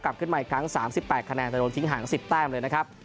กลับขึ้นมาอีกครั้งสามสิบแปดคะแนนจะโดนทิ้งหางสิบแต้มเลยนะครับ